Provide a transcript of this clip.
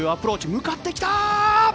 向かってきた！